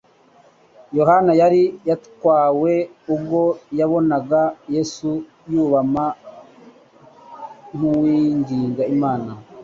Yohana yari yatwawe ubwo yabonaga Yesu yubama nk'uwinginga Imana